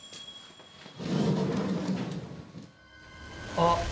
あっ。